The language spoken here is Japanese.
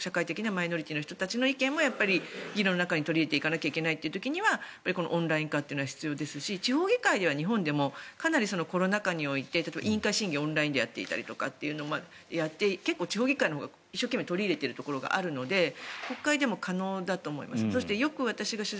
そういった社会的マイノリティーの方たちの意見も議論の中に取り入れていかないといけないという時にはオンライン化は必要ですし地方議会では日本でもかなりコロナ禍において例えば委員会審議をオンラインでやっていたりして地方議会のほうが一生懸命取り入れているところがあるので国会でも可能だと思います。